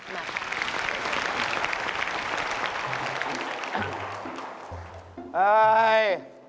เฮ่ย